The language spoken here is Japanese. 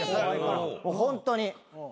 ホントに。